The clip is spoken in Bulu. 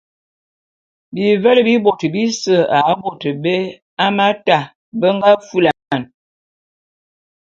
Bivele bi bôt bise a bôt bé Hamata be nga fulane.